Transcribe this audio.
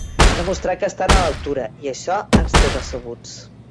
Han demostrat que estan a l'altura, i això ens té decebuts.